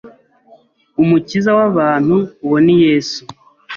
Umukiza w’abantu uwo ni yesu